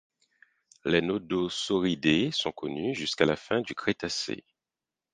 Les nodosauridés sont connus jusqu'à la fin du Crétacé.